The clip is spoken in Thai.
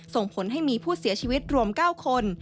ส่งผลให้มีผู้เสียชีวิตรวม๙คน